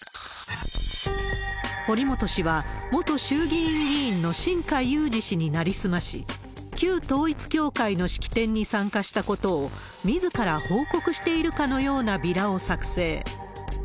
堀本氏は、元衆議院議員の新開裕司氏に成り済まし、旧統一教会の式典に参加したことを、みずから報告しているかのようなビラを作成。